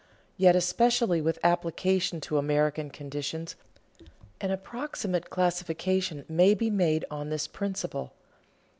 Yet, especially with application to American conditions, an approximate classification may be made on this principle.